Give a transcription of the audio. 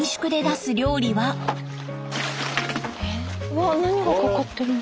うわ何がかかってるの？